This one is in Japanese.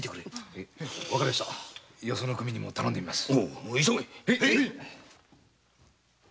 へぇよその組にも頼んでみます。